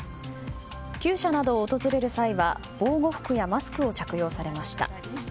厩舎などを訪れた際は防護服やマスクを着用されました。